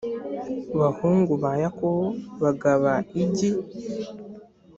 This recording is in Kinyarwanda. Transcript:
bahungu ba yakobo bagaba igi